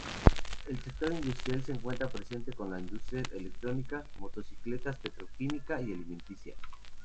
En el sector industrial se encuentra presente con industrias electrónica, motocicletas, petroquímica y alimenticia.